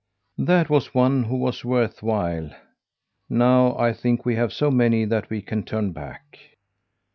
"That was one who was worth while. Now I think we have so many that we can turn back."